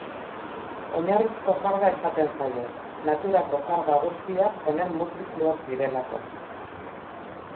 Oinarrizko karga esaten zaio, naturako karga guztiak honen multiploak direlako.